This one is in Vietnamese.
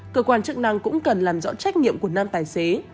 cơ quan chức năng cũng cần làm rõ trách nhiệm của nam tài xế